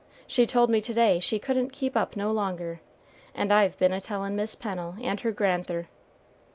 She told me to day she couldn't keep up no longer, and I've been a tellin' Mis' Pennel and her grand'ther.